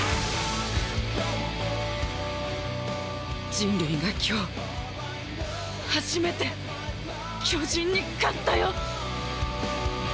人類が今日初めて巨人に勝ったよ！